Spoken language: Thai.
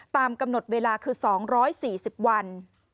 ตามกำหนดเวลาคือ๒๔๐วัน